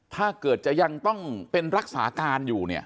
ถ้าเกิดจะยังต้องเป็นรักษาการอยู่เนี่ย